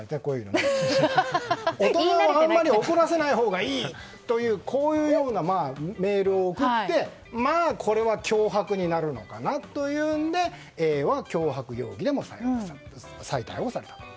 大人をあまり怒らせないほうがいいというこういうようなメールを送ってまあ、これは脅迫になるのかなというのでＡは脅迫容疑でも再逮捕されたと。